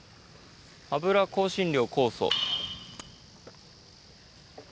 油、香辛料、酵素。